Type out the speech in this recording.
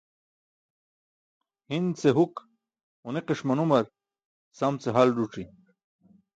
Hi̇n ce huk ġuni̇ki̇ṣ manumar sam ce hal ẓuc̣i̇.